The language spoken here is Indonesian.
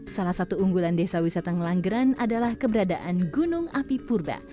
salah satu unggulan desa wisata ngelanggeran adalah keberadaan gunung api purba